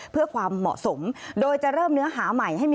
เพื่อความเหมาะสมโดยจะเริ่มเนื้อหาใหม่ให้มี